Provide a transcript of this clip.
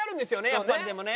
やっぱりでもね。